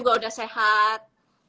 saya selalu sehat